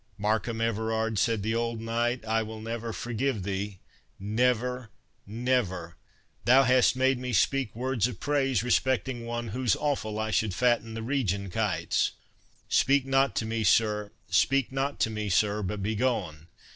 "Markham Everard," said the old knight, "I will never forgive thee— never, never. Thou hast made me speak words of praise respecting one whose offal should fatten the region kites. Speak not to me, sir, but begone!